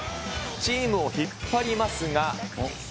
チームを引っ張りますが。